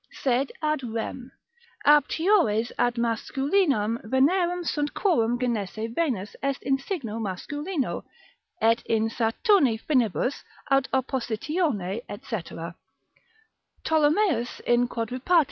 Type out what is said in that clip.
Sed ad rem. Aptiores ad masculinam venerem sunt quorum genesi Venus est in signo masculino, et in Saturni finibus aut oppositione, &c. Ptolomeus in quadripart.